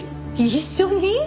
一緒に？